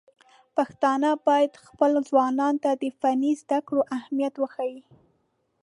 پښتانه بايد خپلو ځوانانو ته د فني زده کړو اهميت وښيي.